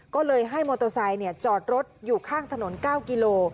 ก็เลยให้มอเตอร์ไซค์จอดรถอยู่ข้างถนน๙กิโล